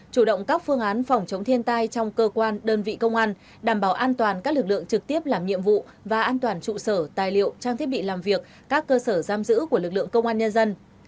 chủ động các phương án phòng chống thiên tai trong cơ quan đơn vị công an đảm bảo an toàn các lực lượng trực tiếp làm nhiệm vụ và an toàn trụ sở tài liệu trang thiết bị làm việc các cơ sở giam giữ của lực lượng công an nhân dân